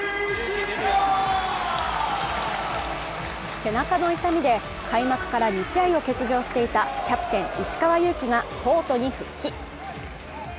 背中の痛みで開幕から２試合を欠場していたキャプテン・石川祐希がコートに復帰。